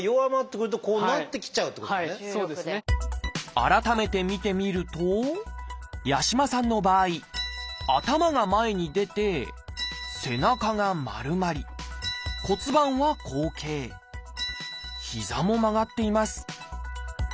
改めて見てみると八嶋さんの場合頭が前に出て背中が丸まり骨盤は後傾膝も曲がっています